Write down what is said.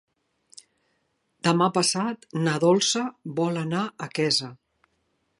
Demà passat na Dolça vol anar a Quesa.